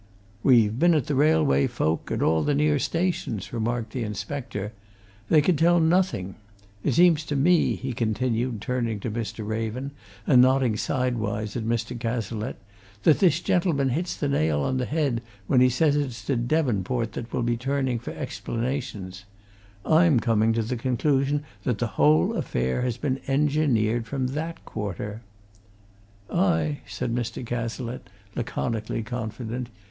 "We've been at the railway folk, at all the near stations," remarked the inspector. "They could tell nothing. It seems to me," he continued, turning to Mr. Raven, and nodding sidewise at Mr. Cazalette, "that this gentleman hits the nail on the head when he says it's to Devonport that we'll be turning for explanations I'm coming to the conclusion that the whole affair has been engineered from that quarter." "Aye!" said Mr. Cazalette, laconically confident.